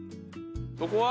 そこは？